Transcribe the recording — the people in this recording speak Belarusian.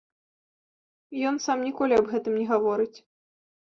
Ён сам ніколі аб гэтым не гаворыць.